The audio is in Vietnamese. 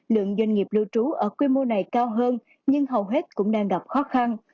lượng doanh nghiệp lưu trú ở quy mô này cao hơn nhưng hầu hết cũng đang gặp khó khăn